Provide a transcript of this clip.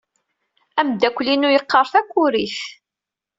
Ameddakel-inu yeqqar takurit.